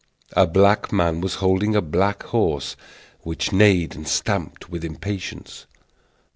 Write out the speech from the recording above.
A black man was holding a black horse, which neighed and stamped with impatience.